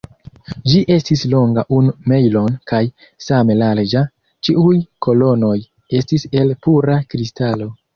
Ĝi estis longa unu mejlon kaj same larĝa; ĉiuj kolonoj estis el pura kristalo.